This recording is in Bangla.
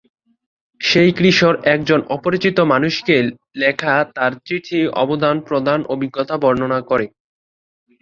সেই কিশোর একজন অপরিচিত মানুষকে লেখা তার চিঠি আদান-প্রদানের অভিজ্ঞতা বর্ণনা করে।